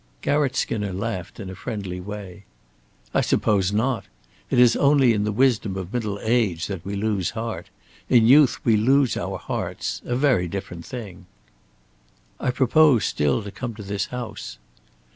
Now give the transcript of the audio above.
Garratt Skinner laughed in a friendly way. "I suppose not. It is only in the wisdom of middle age that we lose heart. In youth we lose our hearts a very different thing." "I propose still to come to this house."